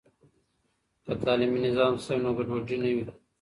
که تعلیمي نظام سم وي، نو ګډوډي نه وي.